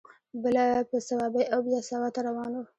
بله په صوابۍ او بیا سوات ته روان و.